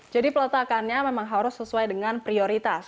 peletakannya memang harus sesuai dengan prioritas